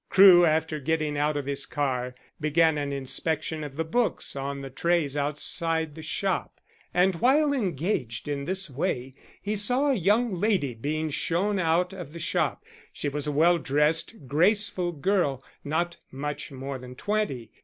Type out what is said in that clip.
Crewe, after getting out of his car, began an inspection of the books on the trays outside the shop, and while engaged in this way he saw a young lady being shown out of the shop. She was a well dressed graceful girl, not much more than twenty.